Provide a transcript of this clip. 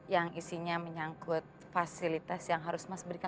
yang isinya menyangkut fasilitas yang harus mas berikan